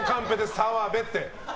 澤部って。